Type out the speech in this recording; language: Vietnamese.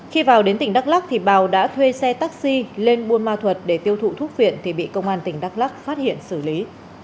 khi vào đến tỉnh đắk lắc thì bảo đã thuê xe taxi lên buôn ma thuật để tiêu thụ thuốc phiện thì bị công an tỉnh đắk lắc phát hiện xử lý